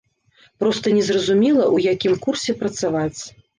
Проста незразумела, у якім курсе працаваць.